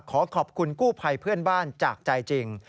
ขอขอบคุณกู้ภัยเพื่อนบ้านจากใจจริง